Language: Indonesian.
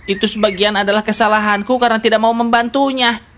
itu sebagian adalah kesalahanku karena tidak mau membantunya